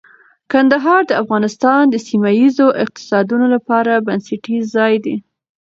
کندهار د افغانستان د سیمه ییزو اقتصادونو لپاره بنسټیز ځای دی.